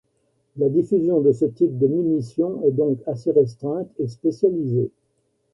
La diffusion de ce type de munition est donc assez restreinte et spécialisée.